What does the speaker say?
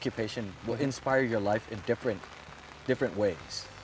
ผมต้องเป็นผู้งาน